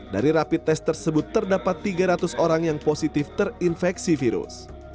dari rapid test tersebut terdapat tiga ratus orang yang positif terinfeksi virus